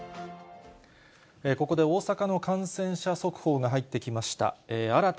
ここで大阪の感染者速報が入ってきました。